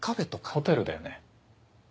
ホテルだよね？